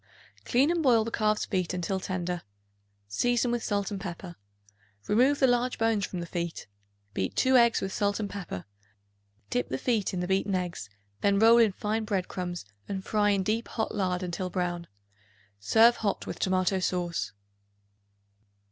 Clean and boil the calf's feet until tender; season with salt and pepper. Remove the large bones from the feet; beat 2 eggs with salt and pepper; dip the feet in the beaten eggs; then roll in fine bread crumbs and fry in deep hot lard until brown. Serve hot with tomato sauce.